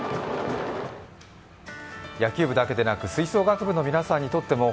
野球部だけでなく吹奏楽部の皆さんにとっても